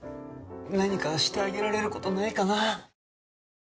何かしてあげられることはないかな。